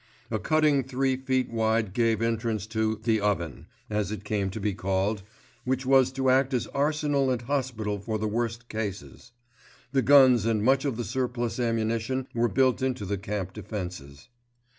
A cutting three feet wide gave entrance to "the oven," as it came to be called, which was to act as arsenal and hospital for the worst cases. The guns and much of the surplus ammunition were built into the camp defences.